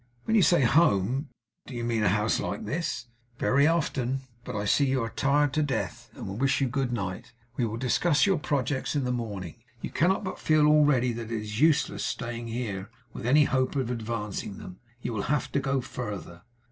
'When you say "home," do you mean a house like this?' 'Very often. But I see you are tired to death, and will wish you good night. We will discuss your projects in the morning. You cannot but feel already that it is useless staying here, with any hope of advancing them. You will have to go further.